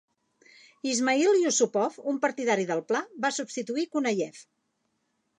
Ismail Yusupov, un partidari del pla, va substituir Kunayev.